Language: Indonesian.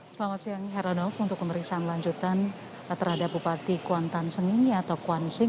selamat siang heronof untuk pemeriksaan lanjutan terhadap bupati kuantan singingi atau kuantan singingi